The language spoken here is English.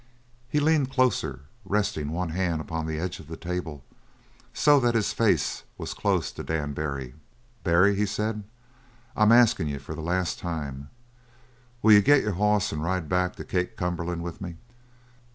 He leaned closer, resting one hand upon the edge of the table, so that his face was close to Dan Barry. "Barry," he said, "I'm askin' you for the last time: Will you get your hoss and ride back to Kate Cumberland with me?"